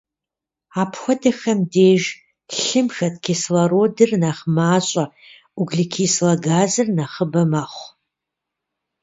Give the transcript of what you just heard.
Апхуэдэхэм деж лъым хэт кислородыр нэхъ мащӏэ, углекислэ газыр нэхъыбэ мэхъу.